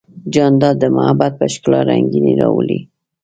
جانداد د محبت په ښکلا رنګینی راولي.